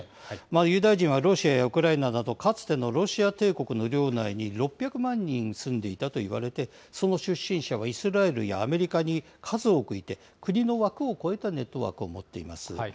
ユダヤ人はロシアやウクライナなど、かつてのロシア帝国の領内に６００万人住んでいたといわれて、その出身者はイスラエルやアメリカに数多くいて、国の枠を超えたネットワークを持っています。